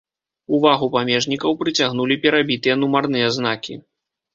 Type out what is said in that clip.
Увагу памежнікаў прыцягнулі перабітыя нумарныя знакі.